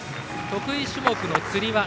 得意種目のつり輪